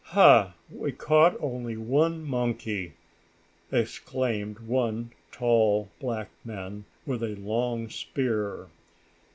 "Ha! We caught only one monkey!" exclaimed one tall, black man, with a long spear.